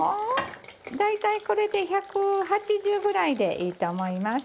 大体これで１８０ぐらいでいいと思います。